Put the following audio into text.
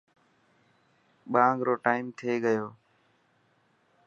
ٻانگ رو ٽائيم ٿي گيو.